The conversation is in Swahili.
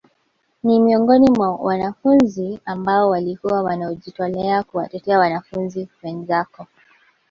Ni miongoni mwa wanafunzi ambao walikuwa wanajitolea kuwatetea wanafunzi wenzako